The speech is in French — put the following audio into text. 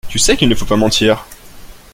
Tu sais qu’il ne faut pas mentir. ..